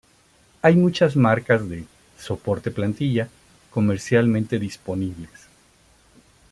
Hay muchos marcas de "soporte-plantilla" comercialmente disponibles.